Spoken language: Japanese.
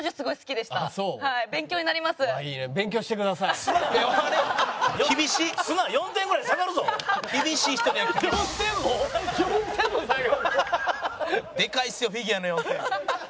でかいですよフィギュアの４点。